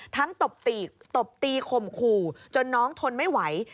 ทั้งตบตีคมคู่จนน้องทนไม่ไหว